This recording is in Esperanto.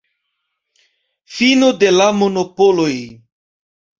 Fino de la monopoloj.